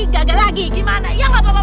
gagal lagi gimana ya bapak bapak ibu